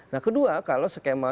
nah kedua kalau skema